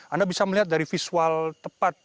anda bisa melihat dari visual tepat